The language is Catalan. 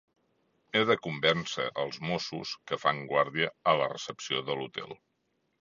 He de convèncer els Mossos que fan guàrdia a la recepció de l'hotel.